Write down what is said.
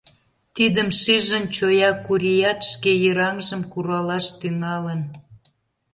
Тидым шижын, чоя Курият шке «йыраҥжым куралаш» тӱҥалын.